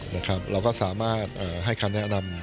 เราก็สามารถให้คำแนะนำ